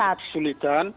masih dalam kesulitan